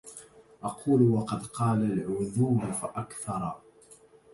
أقول وقد قال العذول فأكثرا